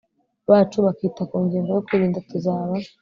bacu bakita ku ngingo yo kwirinda tuzaba